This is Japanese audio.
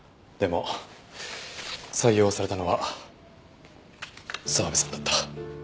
でも採用されたのは澤部さんだった。